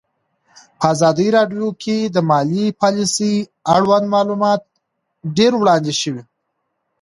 په ازادي راډیو کې د مالي پالیسي اړوند معلومات ډېر وړاندې شوي.